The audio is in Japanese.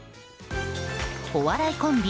お笑いコンビ